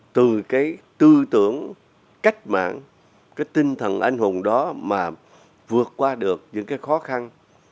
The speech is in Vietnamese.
từ cái tư tưởng cách mạng cái tinh thần anh hùng đó mà vượt qua được những cái khó khăn